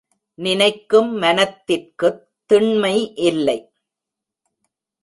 நினைக்கும் மனத்திற்குத் திண்மை இல்லை.